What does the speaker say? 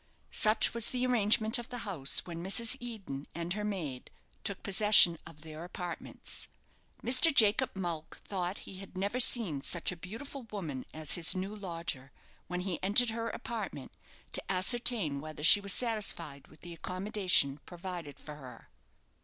Such was the arrangement of the house when Mrs. Eden and her maid took possession of their apartments. Mr. Jacob Mulck thought he had never seen such a beautiful woman as his new lodger, when he entered her apartment, to ascertain whether she was satisfied with the accommodation provided for her.